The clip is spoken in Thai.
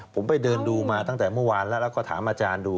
ผมไปเดินดูมาตั้งแต่เมื่อวานแล้วแล้วก็ถามอาจารย์ดู